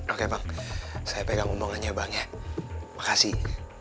oke bang saya pegang omongannya bang ya makasih